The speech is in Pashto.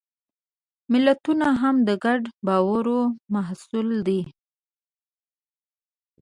ملتونه هم د ګډ باور محصول دي.